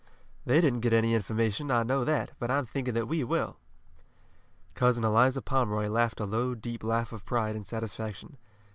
They didn't get any information, I know that, but I'm thinking that we will." Cousin Eliza Pomeroy laughed a low, deep laugh of pride and satisfaction.